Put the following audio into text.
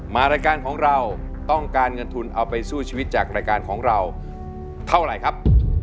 รายการของเราต้องการเงินทุนเอาไปสู้ชีวิตจากรายการของเราเท่าไหร่ครับ